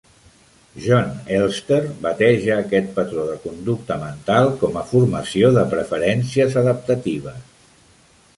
Jon Elster bateja aquest patró de conducta mental com a "formació de preferències adaptatives".